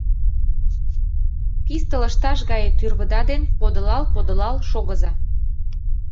Писте лышташ гае тӱрвыда ден подылал-подылал шогыза.